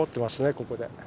ここで。